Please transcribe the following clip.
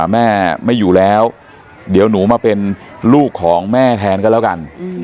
แม่ไม่อยู่แล้วเดี๋ยวหนูมาเป็นลูกของแม่แทนก็แล้วกัน